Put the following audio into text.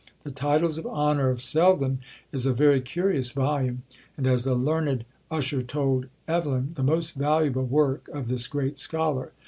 The "Titles of Honour" of Selden is a very curious volume, and, as the learned Usher told Evelyn, the most valuable work of this great scholar.